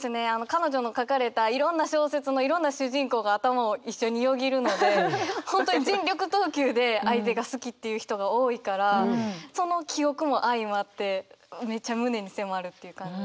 彼女の書かれたいろんな小説のいろんな主人公が頭を一緒によぎるので本当に全力投球で相手が好きっていう人が多いからその記憶も相まってめちゃ胸に迫るっていう感じ。